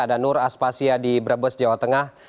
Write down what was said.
ada nur aspasya di brebes jawa tengah